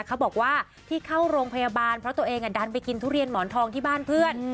เขาบอกว่าที่เข้าโรงพยาบาลเพราะตัวเองดันไปกินทุเรียนหมอนทองที่บ้านเพื่อน